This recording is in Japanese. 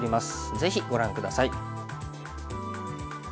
ぜひご覧下さい。